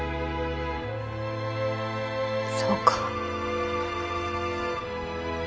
そうか。